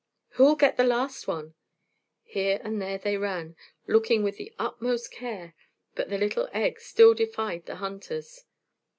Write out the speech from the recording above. "Who'll get the last one?" Here and there they ran, looking with the utmost care, but the little egg still defied the hunters.